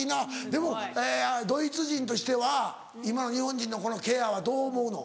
でもドイツ人としては今の日本人のこのケアはどう思うの？